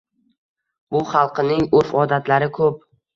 Bu xalqining urf-odatlari ko’p.